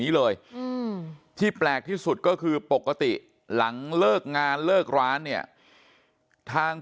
นี้เลยที่แปลกที่สุดก็คือปกติหลังเลิกงานเลิกร้านเนี่ยทาง